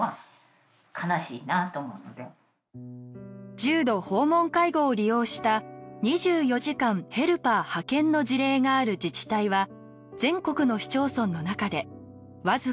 重度訪問介護を利用した２４時間ヘルパー派遣の事例がある自治体は全国の市町村の中でわずか１割。